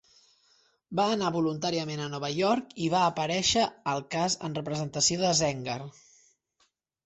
Va anar voluntàriament a Nova York i va aparèixer al cas en representació de Zenger.